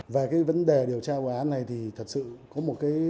về cái vấn đề điều tra vụ án này thì thật sự có một cái